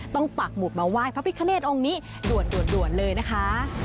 ปักหมุดมาไหว้พระพิคเนตองค์นี้ด่วนเลยนะคะ